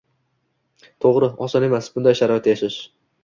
To`g`ri, oson emas bunday sharoitda yashash